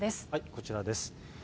こちらです。